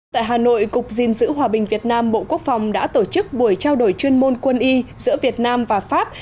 tại hà nội cục gìn giữ hòa bình việt nam bộ quốc phòng đã tổ chức buổi trao đổi chuyên môn quân y giữa việt nam và pháp